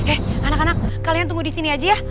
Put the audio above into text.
eh anak anak kalian tunggu di sini aja ya